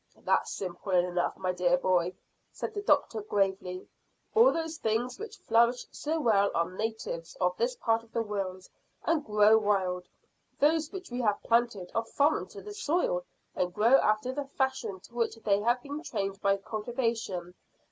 "That's simple enough, my dear boy," said the doctor gravely. "All those things which flourish so well are natives of this part of the world, and grow wild. Those which we have planted are foreign to the soil, and grow after the fashion to which they have been trained by cultivation.